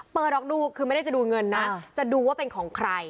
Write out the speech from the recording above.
เปิดออกดูคือไม่ได้จะดูเงินนะจะดูว่าเป็นของใคร